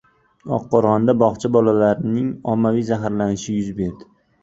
Oqqo‘rg‘onda bog‘cha bolalarining ommaviy zaharlanishi yuz berdi